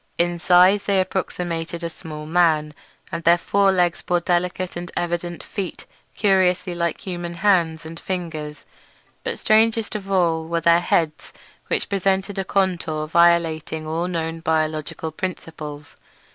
In size they approximated a small man, and their fore legs bore delicate and evidently flexible feet curiously like human hands and fingers. But strangest of all were their heads, which presented a contour violating all known biological principles.